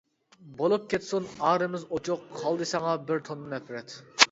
بولۇپ كەتسۇن ئارىمىز ئوچۇق، قالدى ساڭا بىر توننا نەپرەت.